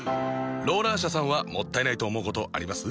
ローラー車さんはもったいないと思うことあります？